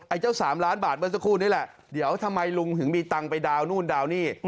เจ้า๓ล้านบาทเมื่อสักครู่นี่แหละเดี๋ยวทำไมลุงถึงมีตังค์ไปดาวนู่นดาวนี่